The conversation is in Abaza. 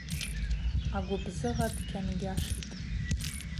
Агвыбзыгъа дкьангьашитӏ.